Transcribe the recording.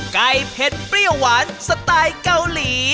เผ็ดเปรี้ยวหวานสไตล์เกาหลี